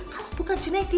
kalau bukan junaidy